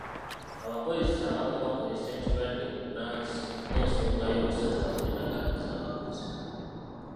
Abakozesa abamu bakozesa ekirwadde bbunansi ng'ensonga y'okusazaamu endagaano z'abakozi.